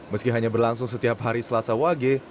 meski hanya berlangsung setiap hari selasa wage